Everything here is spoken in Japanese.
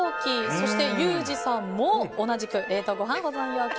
そして、ユージさんも同じく冷凍ごはん保存容器。